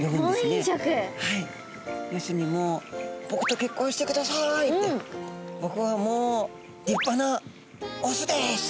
はい要するにもう「僕と結婚してください」って「僕はもう立派なオスです」。